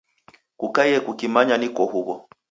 Kukaiye kukimanya niko huw'o.